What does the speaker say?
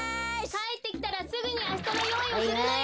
・かえってきたらすぐにあしたのよういをするのよ！